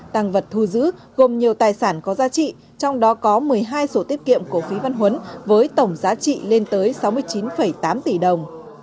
tăng vật thu giữ gồm nhiều tài sản có giá trị trong đó có một mươi hai sổ tiết kiệm của phí văn huấn với tổng giá trị lên tới sáu mươi chín tám tỷ đồng